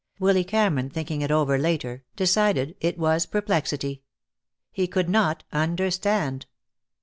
Willy Cameron, thinking it over later, decided that it was perplexity. He could not understand.